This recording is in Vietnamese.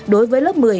đối với lớp một mươi